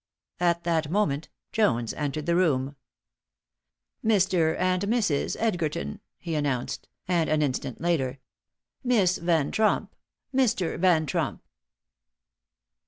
At that moment, Jones entered the room. "Mr. and Mrs. Edgerton," he announced, and, an instant later, "Miss Van Tromp, Mr. Van Tromp."